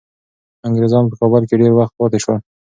انګریزان په کابل کي ډیر وخت پاتې شول.